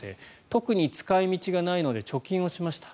特に使い道がないので貯金をしました。